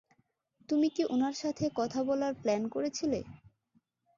তুমি কি উনার সাথে কথা বলার প্ল্যান করছিলে?